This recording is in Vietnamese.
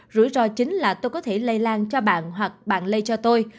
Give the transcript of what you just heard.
rủi ro chính là tôi có thể lây lan cho bạn hoặc bạn lây cho tôi